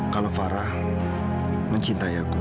kalau farah mencintai aku